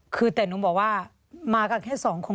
คือแต่หนูบอกว่ามากันแค่สองคน